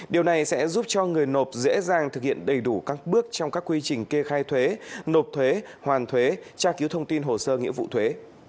điều này sẽ giúp cho người nộp dễ dàng thực hiện đầy đủ các bước trong các quy trình kê khai thuế nộp thuế hoàn thuế tra cứu thông tin hồ sơ nghĩa vụ thuế